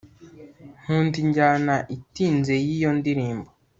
Nkunda injyana itinze yiyo ndirimbo